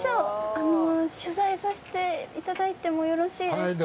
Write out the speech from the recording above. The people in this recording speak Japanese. あの取材さしていただいてもよろしいですか？